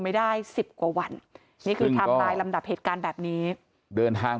ไม่ได้สิบกว่าวันนี่คือไทม์ไลน์ลำดับเหตุการณ์แบบนี้เดินทาง